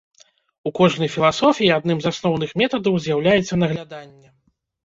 У кожнай філасофіі адным з асноўных метадаў з'яўляецца нагляданне.